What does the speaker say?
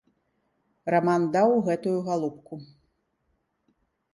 Раман даў гэтую галубку.